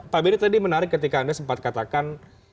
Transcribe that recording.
pak benny tadi menarik ketika anda sempat katakan